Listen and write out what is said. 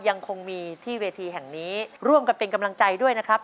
ยังคงมีที่เวทีแห่งนี้ร่วมกันเป็นกำลังใจด้วยนะครับ